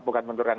bukan bentur kan